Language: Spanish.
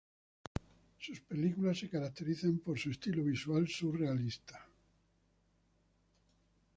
Sus películas se caracterizan por su estilo visual surrealista.